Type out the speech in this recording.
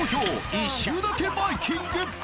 「一周だけバイキング」